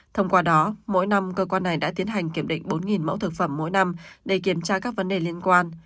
thông qua đó mỗi năm cơ quan này đã tiến hành kiểm định bốn mẫu thực phẩm mỗi năm để kiểm tra các vấn đề liên quan